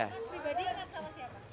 kau pribadi ingat sama siapa